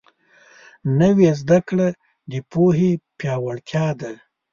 نوې زده کړه د پوهې پیاوړتیا ده